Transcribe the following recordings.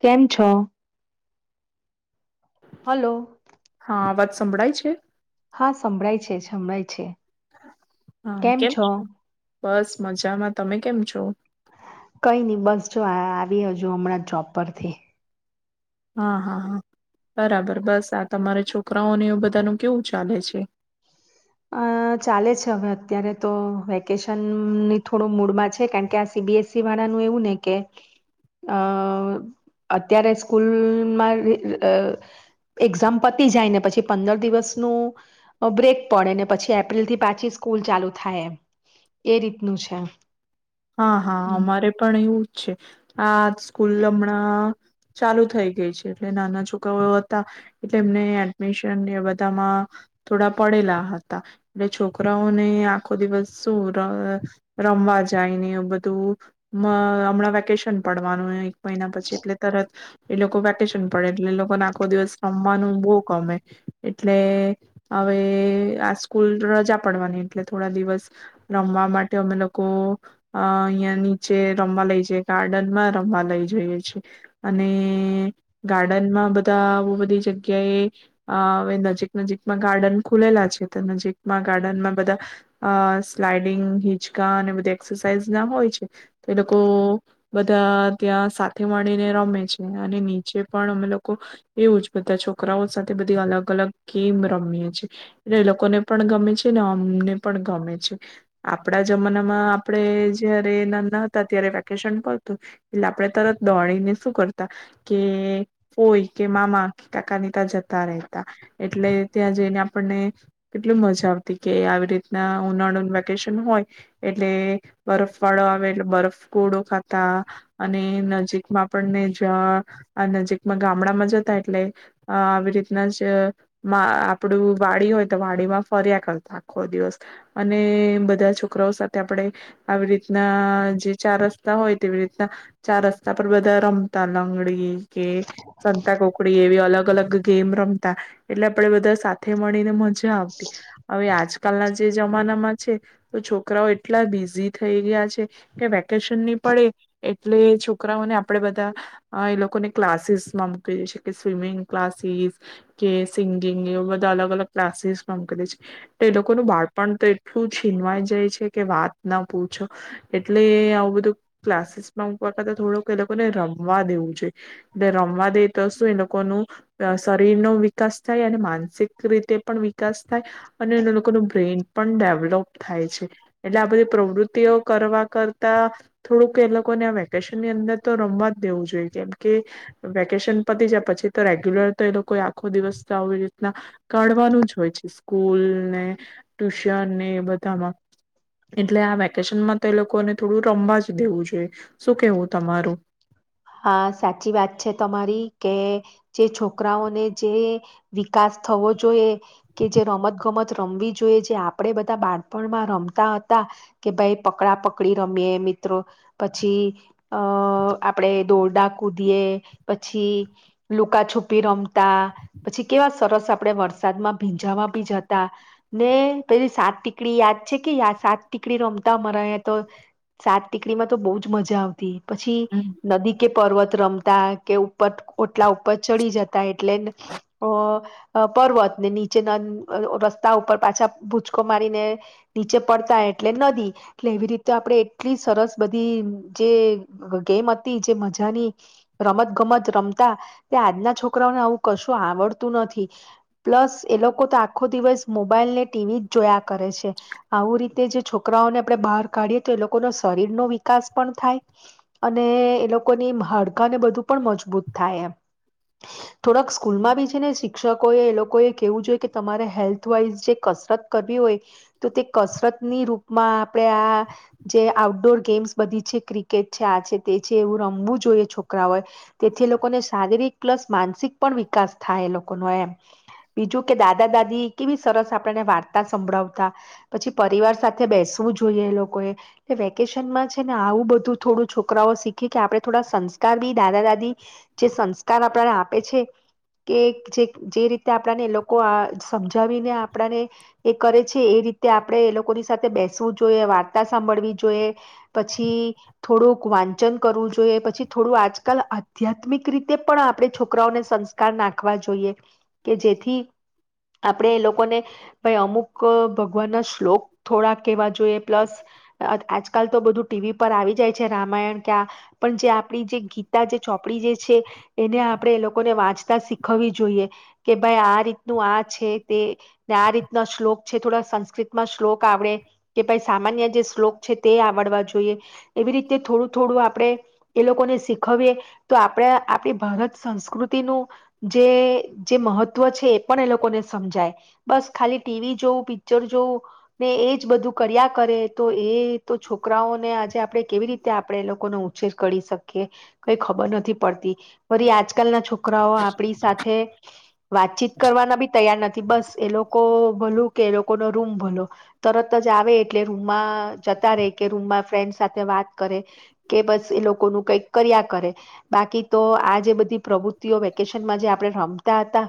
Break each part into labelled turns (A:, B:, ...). A: કેમ છો? હલો
B: હા વા સંભળાય છે.
A: હા સંભળાય છે સંભળાય છે.
B: હા કેમ બસ મજામાં, તમે કેમ છો?
A: કઈ નહી બસ જો આવી હજુ હમણાં જોબ પરથી.
B: હા હા હા બરાબર બસ આ તમારે છોકરાઓને એવું બધાનું કેવું ચાલે છે.
A: અ ચાલે છે હવે અત્યારે તો વેકેશનની થોડું મૂડમાં છે કારણ કે આ સી બી એસ ઇ વાળાનું એવું ને કે અ અત્યારે સ્કૂલમાં એક્ઝામ પતી જાય ને પછી પંદર દિવસનું બ્રેક. પડે ને પછી એપ્રિલ થી પાછી સ્કૂલ ચાલુ થાય એ રીતનું છે.
B: હા હા
A: હમ
B: અમારે પણ એવું. છે આ સ્કૂલ હમણાં ચાલુ થઈ ગઈ છે એટલે નાના છોકરાઓ હતા એટલે એમને એડમિશન એ બધામાં થોડા પડેલા હતા એટલે છોકરાઓને આખો દિવસ શું રમવા જાયને બધું હમણાં વેકેશન પડવાનું મહિના પછી એટલે તરત એ લોકો વેકેશન. પણ એટલે લોકોને આખો દિવસ રમવાનું બહુ ગમે એટલે હવે આ સ્કૂલ રજા પડવાની એટલે થોડા દિવસ રમવા માટે અમે લોકો અ અહિયાં નીચે રમવા લઈ જઈએ ગાર્ડનમાં રમવા લઈ જઈએ છે, અને ગાર્ડનમાં બધા બો બધી જગ્યાએ હવે નજીક નજીકમાં ગાર્ડન ખુલેલા છે તો નજીકમાં ગાર્ડનમાં બધા અ સ્લાઈડિંગ, હિચકા અને બધા સાઈઝ ના હોય છે તો એ લોકો બધા ત્યાં સાથે મળીને રમે છે અને નીચે પણ અમે લોકો એવું જ બધા છોકરાઓ સાથે બધી અલગ અલગ ગેમ રમીએ છે, એ એ એ લોકોને પણ ગમે છે ને અમને પણ ગમે છે. આપડા જમાનામાં આપડે જયારે નાના હતા ત્યારે વેકેશન કરતું એટલે આપણે તરત દોડીને શું કરતા કે ફોઈ કે મામા કાકાની તા જતા રહેતા, એટલે ત્યાં જઈને આપણને કેટલી મજા આવતી કે આવી રીતના ઉનાળુનું વેકેશન હોય એટલે બરફ વાળો આવે એટલે બરફ ગોળો ખાતા અને નજીકમાં આપણને જ નજીકમાં ગામડામાં જતા એટલે આવી રીતના જ આપણું વાડી હોય તો, વાડીમાં ફર્યા કરતા આખો દિવસ અને બધા છોકરાઓ સાથે આપણે આવી રીતના જે ચાર રસ્તા હોય તેવી રીતના ચાર રસ્તા પર બધા રમતા લંગડી કે સંતા કોકડી એવી અલગ અલગ ગેમ રમતા એટલે આપણે બધા સાથે મળીને મજા આવતી હવે. આજકાલના જે જમાનામાં છે તો છોકરાઓ એટલા બિઝી થઈ ગયા છે કે વેકેશન ની પડે એટલે છોકરાઓને આપડે બધા એ લોકોને ક્લાસીસ માં મૂકી દે છે કે સ્વિમિંગ ક્લાસીસ, કે સિંગિંગ એવ બધા અલગ અલગ ક્લાસીસમાં મૂકી દે છે તો એ લોકોનું બાળપણ તો એટલું છીનવાય જાય છે કે વાત ના પૂછો એટલે આવું બધું ક્લાસીસમાંતા થોડુંક એ લોકોને રમવા દેવું જોઈએ એટલે રમવા દે તો શું એ લોકોનું શરીર નો વિકાસ થાય અને માનસિક રીતે પણ વિકાસ થાય અને એ લોકો ન બ્રેઇન પણ ડેવલોપ થાય છે, એટલે આ બધી પ્રવૃતિ કરવા કરતા થોડુંક એ લોકોને આ વેકેશન ની અંદર તો રમવા જ દેવું જોઈએ કેમ કે વેકેશન પતી જાય પછી તો રેગ્યુલર તો એ લોકો આખો દિવસ તો આવી રીતના કાઢવાનું જ હોય છે સ્કૂલને ટુશનને એ બધામાં એટલે આ કેશનમાં તો લોકોને થોડું રમવા જ દેવું જોઈએ શું કેવું તમારું?
A: હા સાચી વાત છે તમારી કે જે છોકરાઓને જે વિકાસ થવો જોઈએ. કે જે રમત ગમત. રમવી જોઈએ જે આપણે બધા બાળપણમાં રમતા હતા કે ભાઈ પકડા પકડી રમીએ મિત્રો પછી અ આપણે દોરડા કૂદીએ પછી, લુકા છુપી રમતા પછી કેવા સરસ આપડે વરસાદમાં ભીંજાવા બી જતા ને પેલી સાત ટીકડી યાદ છે કે સાત ટીકડી રમતા મરા તો સાત ટીકડીમાં તો બહઉ મજા આવતી. પછી.
B: હમ
A: નદી કે પર્વત રમતા, કે ઉપર ઓટલા ઉપર ચડી જતા એટલે અ પર્વત ને નીચેના રસ્તા ઉપર પાછા ભૂચકો મારીને નીચે પડતા એટલે નદી એટલે એવી રીતે આપણે એટલી સરસ બધી જે ગેમ મજાની રમત ગમત રમતા તે આજના છોકરાઓને આવું કશું આવડતું નથી, પ્લસ એ લોકો તો આખો દિવસ મોબાઈલ ને ટીવી જ જોયા કરે છે, આવું રીતે જે છોકરાઓને આપણે બહાર કાઢીએ તો એ લોકોનો શરીર નો વિકાસ પણ થાય અને એ લોકોની હડકાને બધું પણ મજબૂત થાય એમ. થોડાક સ્કૂલમાં બી છે ને શિક્ષકો એ એ લોકોએ કેવું જોઈએ કે તમારે હેલ્થ વાઈઝ જે કસરત કરવી હોય તો તે કસરતની રૂપમાં આપણેે આ જે આઉટડોર ગેમ્સ બધી છે ક્રિકેટ છે આ છે તે એ રમુંવુ જોઈએ છોકરાઓ તેથી એ લોકોને શારીરિક પ્લસ માનસિક પણ વિકાસ થાય એ લોકો ન એમ. બીજું કે દાદા દાદી કેવી સરસ આપને વાર્તા સંભળાવતા પછી, પરિવાર સાથે બેસવું જોઈએ એ લોકોએ વેકેશનમાં છે ને આવું બધું થોડું છોકરાઓ શીખ કે આપણે થોડા સંસ્કાર બી દાદા દાદી જે સંસ્કાર આપણને આપે છે કે જે જે રીતે આપણને એ લોકો સમજાવીને આપણને એ કરે છે એ રીતે આપણે એ લોકોની સાથે બેસવું જોઈએ, વાર્તા સાંભળવી જોઈએ પછી થોડુંક વાં વાચન કરવું જોઈએ પછી, થોડું આજકાલ આધ્યાત્મિક રીતે પણ આપણે છોકરાઓને સંસ્કાર નાખવા જોઈએ, કે જેથી આપણેે એ લોકોને ભાઈ અમુક ભગવાન ના શ્લોક થોડા કેહેવા જોઈએ પ્લસ આજકાલ તો બધું ટીવી પર આવી જાય છે રામાયણ તા પણ જે આપણી જે ગીતા જે ચોપડી જે છે, એને આપણે એ લોકોને વાંચતા શીખવવી જોઈએ કે ભાઈ આ રીતનું આ છે તેને આ રીતના શ્લોક છે થોડા સંસ્કૃતમાં શ્લોક આવડે કે ભાઈ સામાન્ય જે શ્લોક છે, તે આવડવા જોઈએ એવી રીતે થોડુંક થોડું આપણેે એ લોકોને શીખવીએ તો આપણે આપણી ભારત સંસ્કૃતિનું જે મહત્ત્વ છે એ પણ એ લોકોને સમજાય, બસ ખાલી ટીવી જોવું પિક્ચર જોવું ને એ જ બધું કર્યા કરે તો એ તો છોકરાઓને આજે આપણે કેવી રીતે આપ આપણે એ લોકો ન ઉછેર કરી શકીએ કઈ ખબર નથી પડતી આજ કલ ના છોકરાઓ આપણી સાથે વાતચીત કરવાના બી તૈયાર નથી બસ એ લોકો ભલું કે એ લોકો નો રૂમ ભલો, તરત જ આવે એટલે રૂમમાં જતા રહેે કે રૂમમાં ફ્રેન્ડ સાથે વાત કરે. કે બસ એ લોકોનું કંઈક કર્યા કરે બાકી તો આ જે બધી પ્રવૃતિઓ વેકેશનમાં જે આપણે રમતા હતા,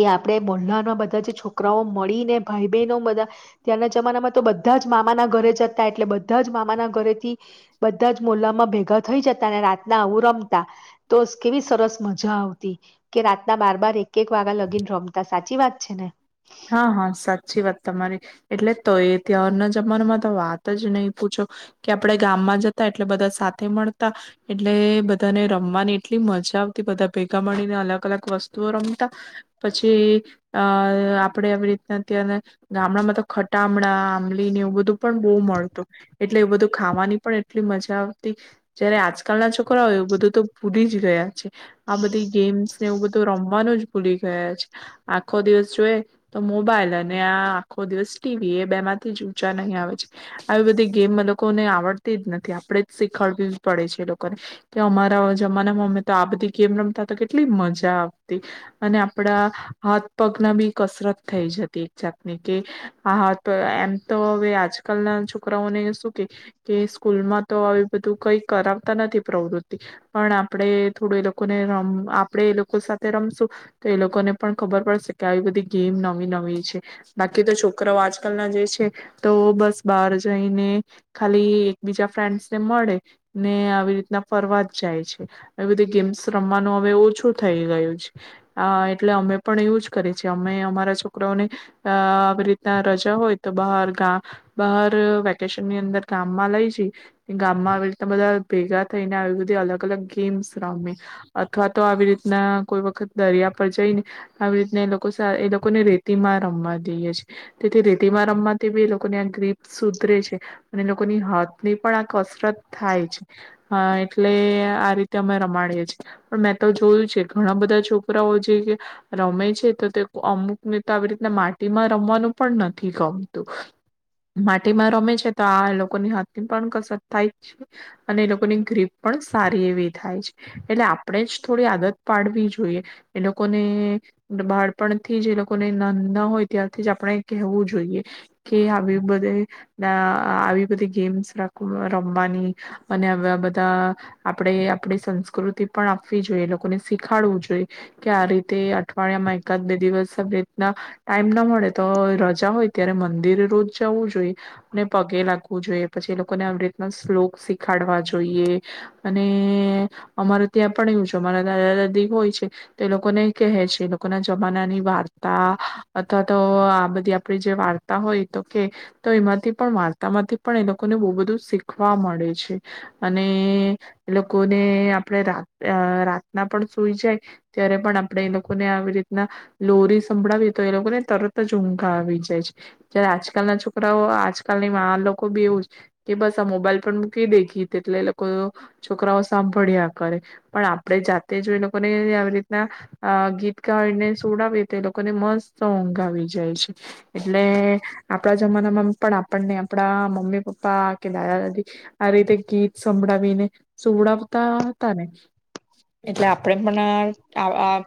A: એ આપણેે મોલ્લાના બધા જે છોકરાઓ મળી ને ભાઈ બહેનો બધા ત્યાંના જમાનામાં તો બધા જ મામાના ઘરે જતા એટલે બધા જ મામાના ઘરેથી. બધા જ મોલામાં ભેગા થઈ જતા અને રાતના આવું રમતા તો કેવી સરસ મજા આવતી કે રાતના બાર બાર એક એક વાગ્યા લગીને રમતા સાચી વાત છે ને.
B: હા હા સાચી વાત, તમારી એટલે તો એ ત્યાારના જમાનામાં તો વાત જ નહી પૂછો કે આપણે ગામમાં જતા એટલે બધા સાથે મળતા, એટલે બધાને રમવાની એટલી મજા આવતી બધા ભેગા મળીને અલગ અલગ વસ્તુઓ રમતા પછી અ આપડે આવી રીતના ત્યાં ગામડામાં તો ખટામણા આંબલી ને એવું બધું પણ બહુ મળતું, એટલે એ બધું ખાવાની પણ એટલી મજા આવતી જયારે આજકાલના છોકરાઓય એવું બધું તો ભૂલી જ ગયા છે, આ બધી ગેમ્સ ને એવું બધું રમવાનું જ ભૂલી ગયા છે આખો દિવસ જોએ તો મોબાઈલ અને આ આખો દિવસ ટીવી એ બે માંથી જ ઊંચા નહી આવે છે, આવી બધી ગેમ લોકોને આવડતી જ નથી આપણેે જ શીખડવી જ પડે છે એ લોકોને કે અમારા જમાનામાં અમે તો આ બધી ગેમ રમતા તો કેટલી મજા આવતી, અને આપડા હાથ પગના બી કસરત થઈ જતી એક જાતની કે હા તો એમ તો હવે આજકાલના છોકરાઓને શું કે, કે સ્કૂલમાં તો આવી બધું કઈ કરાવતા નથી પ્રવૃતિ પણ આપણે થોડું એ લોકોને રમ આપણે એ લોકો સાથે રમશું તો એ લોકોને પણ ખબર પડશે કે આવી બધી ગેમ હોય છે બાકી તો છોકરો આજકાલ ના જે છે તો બસ બહાર જઈને ખાલી એક બીજા ફ્રેન્ડસને મળે, ને આવી રીતના ફરવા જ જાય છે એ બધી ગેમ્સ રમવાનું હવે ઓછું થઈ ગયું છે, અ એટલે અમે પણ એવું જ કરીએ છે અમે અમારા છોક રાઓને અ આવી રીતના રજા હોય તો બહાર ગામ બહાર વેકેશનની અંદર ગામમાં લઈ જઈ, ગામમાં આવી રીતના બધા ભેગા થઈને આવી બધી અલગ અલગ ગેમ્સ રમે, અથવા તો આવી રીતના કોઈ વખત દરિયા પર જઈને આવી રીતના એ લોકો એ લોકોને રે તીમાં રમવા દઈએ છીએ. તેથી રેતિમાં રમવા તેવી એ લોકોની આ ગ્રીપ સુધરે છે, અને લોકોની હાથ ની પણ આ કસ સરત થાય છે. હા એટલે આ રીતે અમે રમાડીએ છીએ, પણ મેં તો જોયું છે ઘણા બધા છોકરાઓ જે રમે છે તો તે અમુ નીત આવી રીતના માટીમાં રમવાનું પણ નથી ગમતું, માટીમાં રમે છે તો આ એ લોકોની હાથ ની પણ કસરત થાય છે અને એ લોકોની ગ્રીપ પણ સારી એવી થાય છે, એટલે આપણે જ થોડી આદત પાડવી જોઈએ એ લોકોને બાળપણથી જે લો કો ના હોય ત્યારથી જ આપણે કહેવું જોઈએ, કે આવી બધે આવી આ બધી ગેમ્સ રમવાની અનેવા બધા આપણે આપણી સંસ્કૃતિ પણ આપવી જોઈએ, લોકોને શીખાડવું જોઈએ કે આ રીતે અઠવાડિયામાં એકાદ બે દિવસ બે ના ટાઈમ ના મળે તો રજા હોય ત્યારે મંદિર રોજ જવું જોઈએ, અને પગે લાગવું જોઈએ પછી એ લોકોને આવી રીતના શ્લોક શીખાડવા જોઈએ. અને અમારે ત્યાં પણ એવું છે, અમારા દાદા દાદી હોય છે તો એ લોકોને કહે છે, લોકોના જમાના ની વાત તા અથવા તો આ બધી આપડી જે વાર્તા હોય તો કે તો એમાંથી પણ વાર્તા માંથી પણ એ લોકોને બહુ બધું શીખવા મળે છે, અને એ લોકોને આપણે. રાતે રાતના પણ સુઈ જાય ત્યારે પણ આપણે એ લોકોને આવી રીતના લોરી સંભળાવીએ તો એ લોકોને તરત જ ઊમઘ આવી જાય છે, જયારે આજકાલ ના છોકરાઓ આજકાલની મા લોકો બી એવું કે બસ આ મોબાઈલ પર મૂકી દે ગીત એટલે એ લોકો છોકરાઓ સાંભળ્યા કરે, પણ આપણેે જાતે જો એ લોકોને આવી રીતના ગીત ગાવીને સુડાવીએ તે લોકોને મસ્ત ઊંઘ આવી જાય છે, એટલે આપણા જમાનામાં પણ આપણને આપણા મમ્મી પપ્પા કે દાદા દાદી આ રીતે ગીત સંભળાવીને સુવડાવતા હતા ને, એટલે આપણે પણ આપણે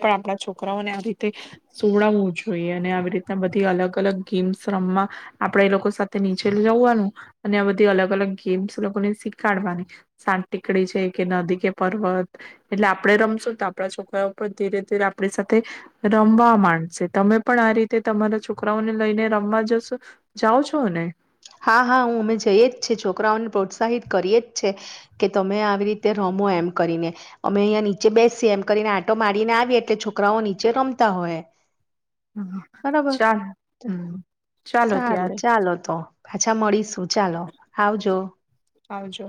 B: પણ આપણા છોકરાઓને સુવડાવવું જોઈએ, અને આવી રીતના બધી અલગ અલગ ગેમ્સ રમવા આપણેે એ લોકો સાથે નીચે જવાનું, અને આ બધી અલગ અલગ ગેમ્સ લોકોને શીખાડવાની સાત ટીકડી છે કે નદી કે પર્વત એટલે આપણે રમશું તો આપડા છોકરાઓ પણ ધીરે ધીરે આપણી સાથે રમવા માંડશે, તમે પણ આ રીતે તમારા છોકરાઓને લઈને રમવા જશો, જાઓ છો ને?
A: હા, હા, હું અમે જઈએ જ છે, છોકરાઓને પ્રોત્સાહિત કરીએ જ છે કે તમે આવી રીતે તે રમો એમ કરીને, અમે અહીંયા નીચે બેસીએ એમ કરીને આંટો મારીને આવીએ એટલે છોકરાઓ નીચે રમતા હોય
B: હા
A: બરાબર,
B: ચાલ હમ ચાલો
A: સારું,
B: ત્યારે
A: ચાલો તો મળીશું, ચાલો આવજો
B: આવાજો